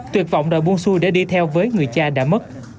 tuyệt vọng đòi buông xuôi để đi theo với người cha đã mất